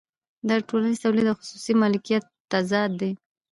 دا د ټولنیز تولید او خصوصي مالکیت تضاد دی